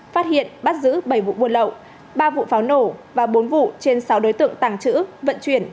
phát hiện bắt giữ bảy vụ buôn lậu ba vụ pháo nổ và bốn vụ trên sáu đối tượng tàng trữ vận chuyển